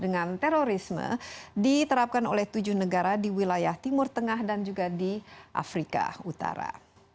dengan terorisme diterapkan oleh tujuh negara di wilayah timur tengah dan juga di afrika utara